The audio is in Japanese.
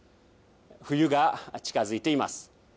冬が近づいています。